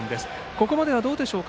ここまではどうでしょう。